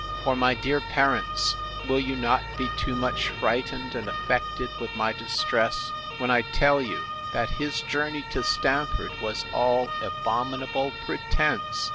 For, my dear parents, will you not be too much frightened and affected with my distress, when I tell you, that his journey to Stamford was all abominable pretence!